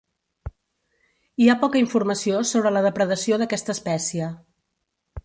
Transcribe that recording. Hi ha poca informació sobre la depredació d’aquesta espècie.